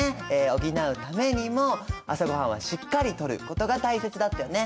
補うためにも朝ごはんはしっかりとることが大切だったよね。